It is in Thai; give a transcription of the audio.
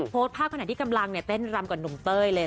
โพสต์ภาพขณะที่กำลังเต้นรำกับหนุ่มเต้ยเลย